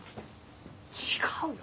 違うよ！